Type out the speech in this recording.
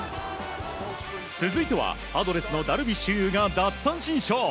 続いてはパドレスのダルビッシュ有が奪三振ショー。